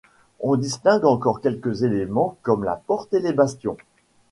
On distingue encore quelques éléments comme la porte et les bastions.